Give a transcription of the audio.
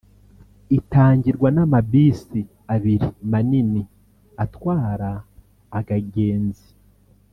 itangirwa n’amabisi abiri manini atwara agagenzi